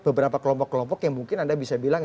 beberapa kelompok kelompok yang mungkin anda bisa bilang